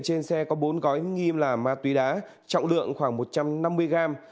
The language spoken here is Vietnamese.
xe trên xe có bốn gói nghiêm là ma túy đá trọng lượng khoảng một trăm năm mươi gram